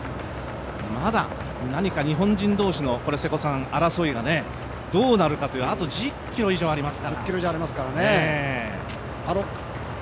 まだ何か日本人同士の争いがどうなるかという、まだ１０ｋｍ以上ありますか。